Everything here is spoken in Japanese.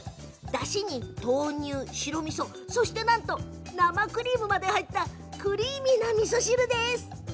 だしに豆乳、白みそそして、なんと生クリームまで入ったクリーミーな、みそ汁です。